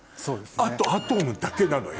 あとアトムだけなのよ。